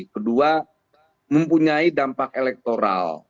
kedua mempunyai dampak elektoral